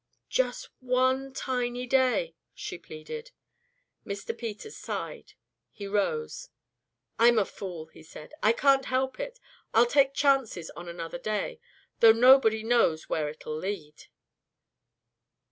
"Just one tiny day," she pleaded. Mr. Peters sighed. He rose. "I'm a fool," he said. "I can't help it. I'll take chances on another day. Though nobody knows where it'll lead."